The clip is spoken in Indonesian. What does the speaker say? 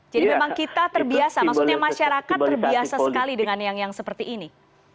jadi memang kita terbiasa maksudnya masyarakat terbiasa sekali dengan yang yang seperti ini